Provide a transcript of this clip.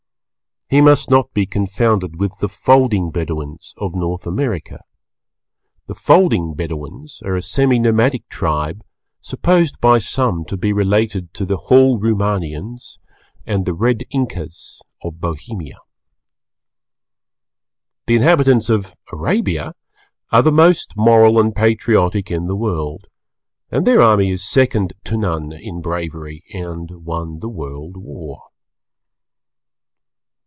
He must not be confounded with the Folding Bedouins of North America. The Folding Bedouins are a semi nomadic tribe, supposed by some to be related to the Hall Roomanians and the Red Inkas of Bohemia. The inhabitants of Arabia are the most Moral and Patriotic in the World, and their army is second to none in bravery and won the World War.